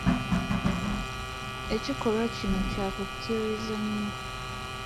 Ekikolwa kino kya kukkiriza nnyo.